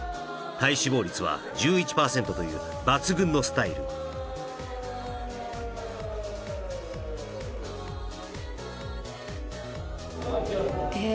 体脂肪率は１１％という抜群のスタイルえっ